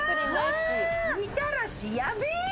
みたらしやべぇ！